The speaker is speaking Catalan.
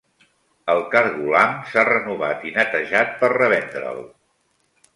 El cargolam s'ha renovat i netejat per revendre'l.